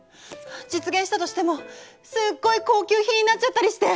実現したとしてもすっごい高級品になっちゃったりして！